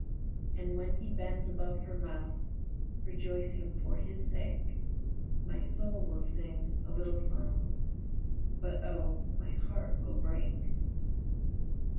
And when he bends above her mouth, Rejoicing for his sake, My soul will sing a little song, But oh, my heart will break.